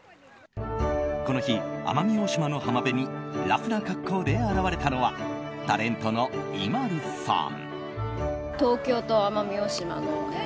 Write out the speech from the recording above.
この日、奄美大島の浜辺にラフな格好で現れたのはタレントのＩＭＡＬＵさん。